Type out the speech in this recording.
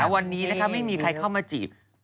วันนี้ไม่มีใครเข้ามาจีบ